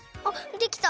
できた？